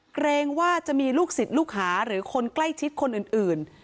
เกรงว่าจะมีลูกศิษย์ลูกหาหรือคนใกล้ชิดคนอื่น